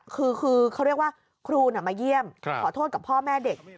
คือเขาเรียกว่าครูมาเยี่ยมขอโทษกับพ่อแม่เด็ก